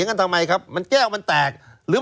นั้นหมายความว่าคือ